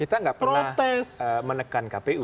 kita nggak pernah menekan kpu